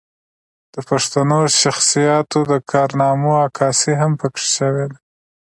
د پښتنو شخصياتو د کارنامو عکاسي هم پکښې شوې ده